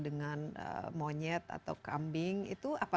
dengan monyet atau kambing itu apa